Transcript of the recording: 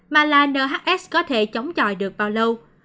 mà là nhs có thể chống chọi được bao lâu